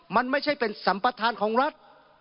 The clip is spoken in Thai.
มันไม่ใช่เป็นสัมประธานของรัฐ